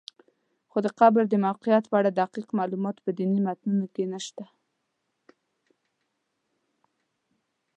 خو د قبر د موقعیت په اړه دقیق معلومات په دیني متونو کې نشته.